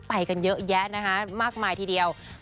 ไปกันเยอะแยะนะคะมากมายทีเดียว